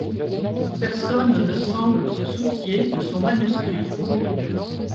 Personne ne semble se soucier de son manuscrit.